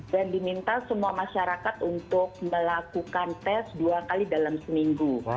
dan diminta semua masyarakat untuk melakukan test dua kali dalam seminggu